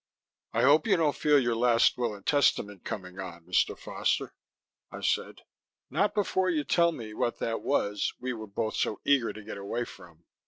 "I hope you don't feel your last will and testament coming on, Mr. Foster," I said. "Not before you tell me what that was we were both so eager to get away from."